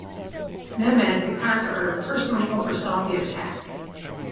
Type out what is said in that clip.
Mehmed the Conqueror personally oversaw the attack.